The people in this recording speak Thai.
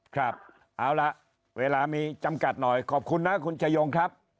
ครับเอาล่ะเวลามีจำกัดหน่อยขอบคุณนะคุณชายงครับ